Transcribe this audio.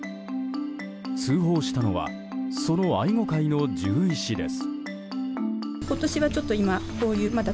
通報したのはその愛護会の獣医師です。